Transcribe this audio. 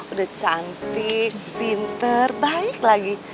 udah cantik pinter baik lagi